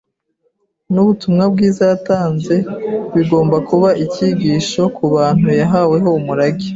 n’ubutumwa bwiza yatanze bigomba kuba icyigisho ku bantu yahaweho umurage